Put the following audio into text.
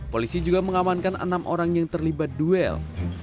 polisi juga mengamankan enam orang yang terlibat duel